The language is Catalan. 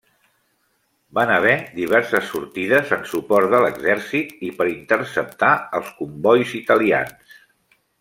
Van haver diverses sortides en suport de l'exèrcit i per interceptar els combois italians.